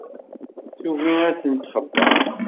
Tugi ad ten-txebber.